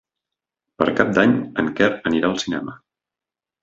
Per Cap d'Any en Quer anirà al cinema.